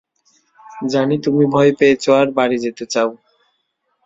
জানি তুমি ভয় পেয়েছো আর বাড়ি যেতে চাও।